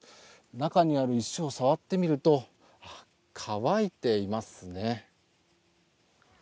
中にある石を触ってみると乾いていますね。